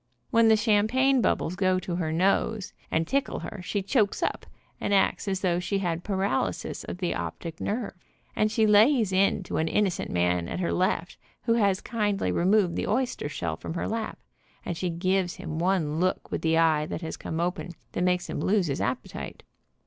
When the champagne bubbles go to her nose, and tickle her, she chokes up and acts as though she THE WOMAN AND THE COCKTAIL 41 had paralysis of the optic nerve, and she lays it to an innocent man at her left who has kindly removed the oyster shell from her lap, and she gives him one look with the eye that has come open, that makes him lose his appetite.